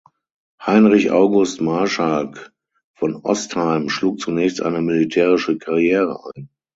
Heinrich August Marschalk von Ostheim schlug zunächst eine militärische Karriere ein.